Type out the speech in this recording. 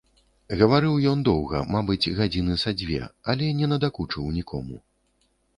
Гаварыў ён доўга, мабыць, гадзіны са дзве, але не надакучыў нікому.